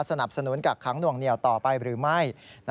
สนับสนุนกักขังหน่วงเหนียวต่อไปหรือไม่